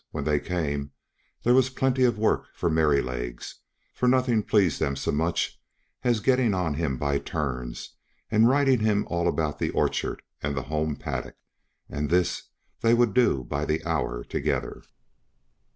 When they came, there was plenty of work for Merrylegs, for nothing pleased them so much as getting on him by turns and riding him all about the orchard and the home paddock, and this they would do by the hour together.